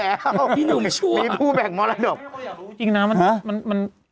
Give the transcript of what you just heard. เอาแล้วพี่หนูไม่ชัวร์มีผู้แบ่งมรดกเขาก็อยากรู้จริงน่ะมันมันมัน